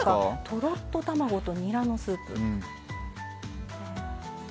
とろっと卵とにらのスープ。